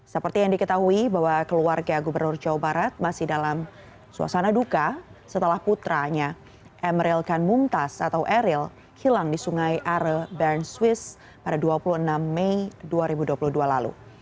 seperti yang diketahui bahwa keluarga gubernur jawa barat masih dalam suasana duka setelah putranya emeril kanmumtaz atau eril hilang di sungai are bern swiss pada dua puluh enam mei dua ribu dua puluh dua lalu